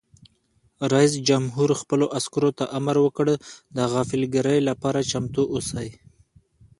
رئیس جمهور خپلو عسکرو ته امر وکړ؛ د غافلګیرۍ لپاره چمتو اوسئ!